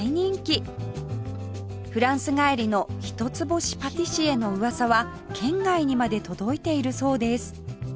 フランス帰りの一つ星パティシエの噂は県外にまで届いているそうです